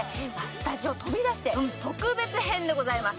スタジオを飛び出して特別編でございます